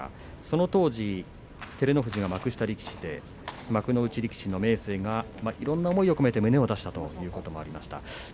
当時、照ノ富士は幕下力士で幕内力士の明生がいろんな思いを込めて胸を出したことがありました。